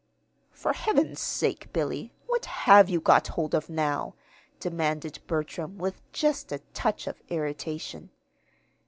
"For heaven's sake, Billy, what have you got hold of now?" demanded Bertram, with just a touch of irritation.